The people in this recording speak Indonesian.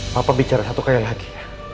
papa bicara satu kali lagi